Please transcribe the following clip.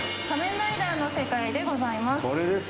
「仮面ライダー」の世界でございます。